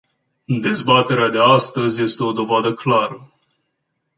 Dezbaterea de astăzi este o dovadă clară.